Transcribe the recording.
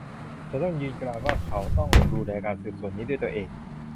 ฉันต้องยืนกรานว่าเขาต้องดูแลการสืบสวนนี้ด้วยตัวเอง